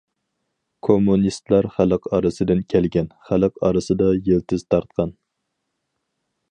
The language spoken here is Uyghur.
كوممۇنىستلار خەلق ئارىسىدىن كەلگەن، خەلق ئارىسىدا يىلتىز تارتقان.